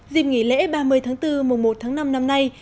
dịp nghỉ lễ ba mươi tháng bốn mùa một tháng năm năm nay